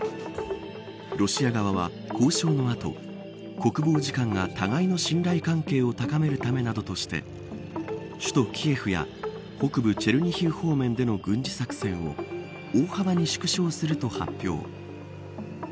ロシア側は交渉の後国防次官が互いの信頼関係を高めるため、などとして首都キエフや北部チェルニヒウ方面での軍事作戦を大幅に縮小すると発表。